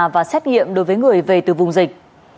và xét nghiệm đối với người về từ vùng dịch